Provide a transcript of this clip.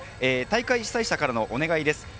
大会主催者からのお願いです。